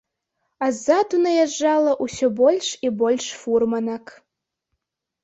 А ззаду наязджала ўсё больш і больш фурманак.